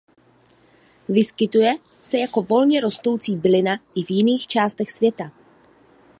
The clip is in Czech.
Vyskytuje se jako volně rostoucí bylina i v jiných částech světa.